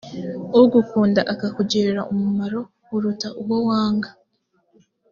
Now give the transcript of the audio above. ugukunda akakugirira umumaro uruta uwo wanga